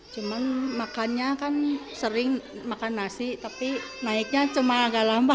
cuman makannya kan sering makan nasi tapi naiknya cuma agak lambat